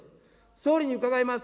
総理に伺います。